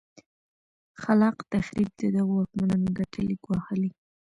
خلا ق تخریب د دغو واکمنانو ګټې ګواښلې.